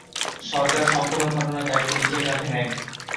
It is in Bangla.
সরকার সম্পূর্ণ ঘটনার দায়িত্ব নিজের কাঁধে নেয়।